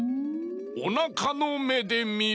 おなかのめでみる！